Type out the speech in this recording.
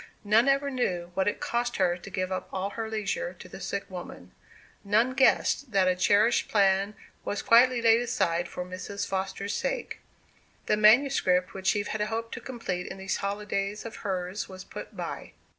None ever knew what it cost her to give up all her leisure to the sick woman; none guessed that a cherished plan was quietly laid aside for Mrs. Foster's sake. The manuscript which Eve had hoped to complete in these holidays of hers was put by.